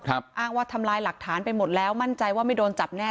อ้างว่าทำลายหลักฐานไปหมดแล้วมั่นใจว่าไม่โดนจับแน่